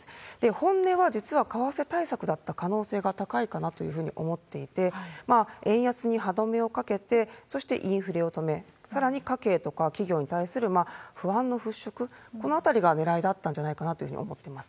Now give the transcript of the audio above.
本音は、実は為替対策だった可能性が高いかなというふうに思っていて、円安に歯止めをかけて、そしてインフレを止め、さらに家計とか企業に対する不安の払拭、このあたりがねらいだったんじゃないかなというふうに思ってます。